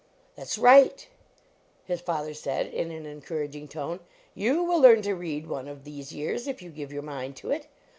"That s right," his father said, in an en couraging tone; " you will learn to read one of these years if you give your mind to it.